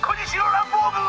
ランボーグゥー！